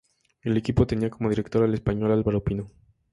El equipo tenía como director al español Álvaro Pino.